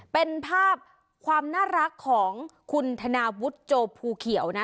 เป็นภาพความน่ารักของคุณธนาวุฒิโจภูเขียวนะ